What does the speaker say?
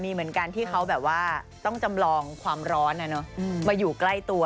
มีเหมือนกันที่เขาแบบว่าต้องจำลองความร้อนมาอยู่ใกล้ตัว